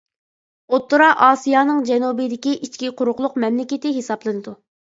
ئوتتۇرا ئاسىيانىڭ جەنۇبىدىكى ئىچكى قۇرۇقلۇق مەملىكىتى ھېسابلىنىدۇ.